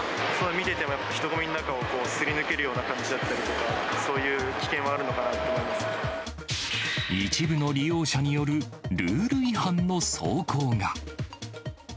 見てても、人混みの中をすり抜けるような感じだったりとか、そういう危険は一部の利用者によるルール違反の走行が。